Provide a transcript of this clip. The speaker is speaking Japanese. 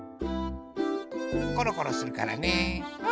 コロコロするからね。